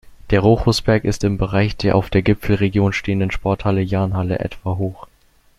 Der Rochusberg ist im Bereich der auf der Gipfelregion stehenden Sporthalle "Jahnhalle" etwa hoch.